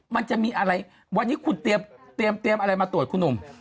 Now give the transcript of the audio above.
มันจะมีอะไรวันนี้คุณเตรียมอะไรมาตรวจคุณหนุ่ม